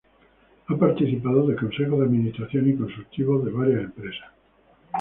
Ha participado de consejos de administración y consultivos de varias empresas.